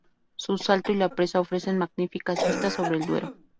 Su salto y la presa, ofrecen magníficas vistas sobre el Duero.